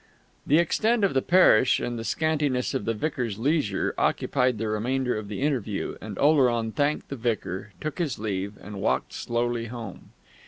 The extent of the parish and the scantiness of the vicar's leisure occupied the remainder of the interview, and Oleron thanked the vicar, took his leave, and walked slowly home.